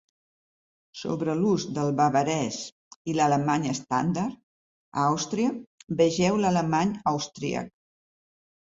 Sobre l'ús del bavarès i l'alemany estàndard a Àustria "vegeu" l'alemany austríac.